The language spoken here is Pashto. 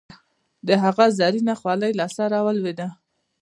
د هغه زرينه خولی له سره ولوېده.